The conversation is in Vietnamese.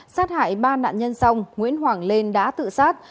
sát hại ba nạn nhân xong nguyễn hoàng lên đã tự sát